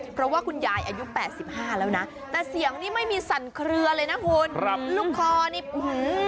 เพราะว่าคุณยายอายุ๘๕ปีแล้วแต่เสียงนี้ไม่มีสั่นเคลือเลยนะครู